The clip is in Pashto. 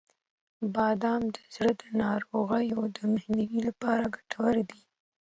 • بادام د زړه د ناروغیو د مخنیوي لپاره ګټور دي.